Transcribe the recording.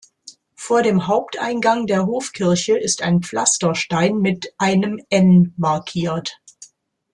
Vor dem Haupteingang der Hofkirche ist ein Pflasterstein mit einem "N" markiert.